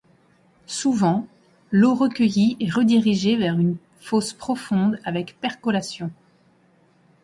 Souvent, l'eau recueillie est redirigée vers une fosse profonde avec percolation..